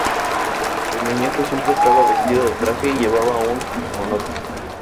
El muñeco siempre estaba vestido de traje y llevaba un monóculo.